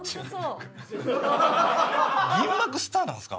銀幕スターなんですか？